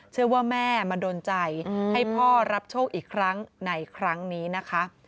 เชื่อว่าแม่มาโดนใจให้พ่อรับโชคอีกครั้งในครั้งนี้นะคะ